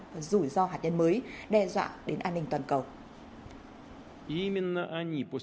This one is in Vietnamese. và rủi ro hạt nhân mới đe dọa đến an ninh toàn cầu